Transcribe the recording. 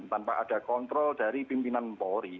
tanpa ada kontrol dari pimpinan polri